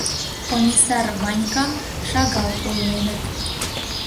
Комиссар Ванькам шагал ойленыт.